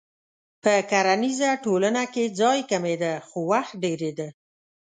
په کرنیزه ټولنه کې ځای کمېده خو وخت ډېرېده.